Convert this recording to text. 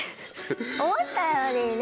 思ったよりね。